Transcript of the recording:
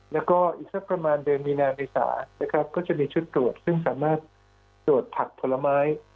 แล้วก็อีกสักประมาณเดือนมีนาเมษานะครับก็จะมีชุดตรวจซึ่งสามารถตรวจผักผลไม้